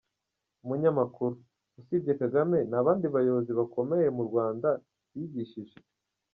Umunyamakuru: Usibye Kagame, nta bandi bayobozi bakomeye mu Rwanda wigishije?.